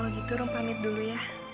kalau gitu rum pamit dulu ya